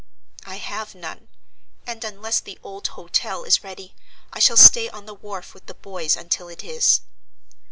"I have none; and, unless the old hotel is ready, I shall stay on the wharf with the boys until it is."